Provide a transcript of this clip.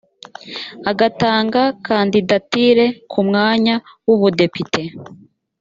atanga kandidatire ku mwanya w’ubudepite